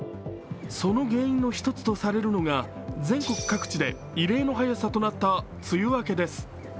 その原因の１つとされるのが全国各地で異例の早さとなった梅雨明けです。